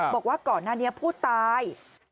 บอกว่าก่อนหน้านี้ผู้ตาย